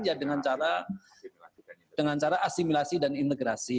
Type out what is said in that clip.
ya dengan cara asimilasi dan integrasi